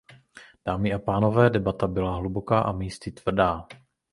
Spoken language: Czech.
Dámy a pánové, debata byla hluboká a místy tvrdá.